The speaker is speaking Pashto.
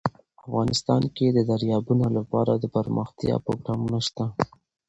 افغانستان کې د دریابونه لپاره دپرمختیا پروګرامونه شته.